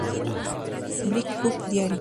Break-up Diary